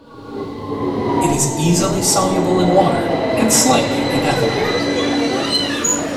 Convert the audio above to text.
It is easily soluble in water and slightly in ethanol.